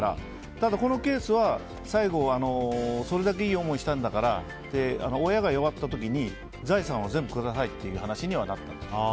ただ、このケースは最後、それだけいい思いしたんだからって親が弱った時に財産は全部くださいっていう話になったんです。